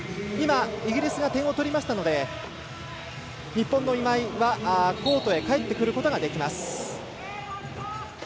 イギリスが点を取りましたので日本の今井はコートへ帰ってくることができます。